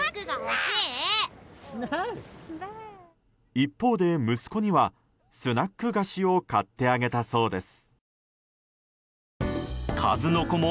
一方で、息子にはスナック菓子を買ってあげたそうです。